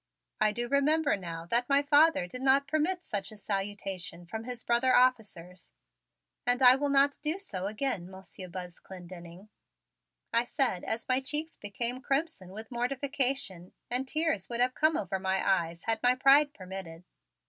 I do remember now that my father did not permit such a salutation from his brother officers, and I will not do so again, Monsieur Buzz Clendenning," I said as my cheeks became crimson with mortification and tears would have come over my eyes had my pride permitted.